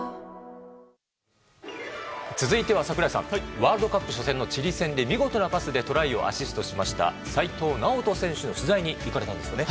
ワールドカップ初戦のチリ戦で見事なパスでトライをアシストしました齋藤直人選手の取材に行かれたんですよね。